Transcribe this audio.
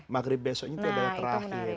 maghrib besoknya itu adalah terakhir